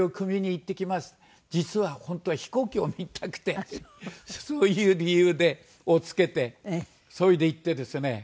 実は本当は飛行機を見たくてそういう理由をつけてそれで行ってですね